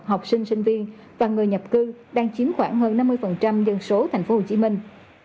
học sinh sinh viên và người nhập cư đang chiếm khoảng hơn năm mươi dân số thành phố hồ chí minh